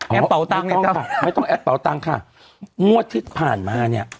แอบเป๋าตังค์ไม่ต้องไม่ต้องแอบเป๋าตังค่ะงวดที่ผ่านมาเนี้ย